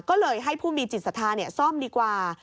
ก็เลยให้ผู้มีจิตสาธารณ์ซ่อมดีกว่า